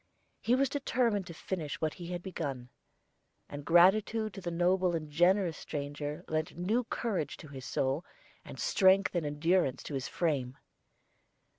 He was determined to finish what he had begun; and gratitude to the noble and generous stranger lent new courage to his soul, and strength and endurance to his frame.